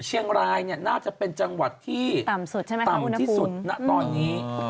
เชียงรายเนี่ยน่าจะเป็นจังหวัดที่ต่ำที่สุดนะตอนนี้